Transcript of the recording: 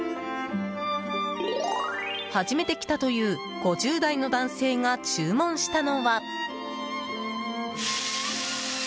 初めて来たという５０代の男性が注文したのは。